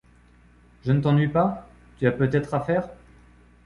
Je ne t’ennuie pas? tu as peut-être à faire ?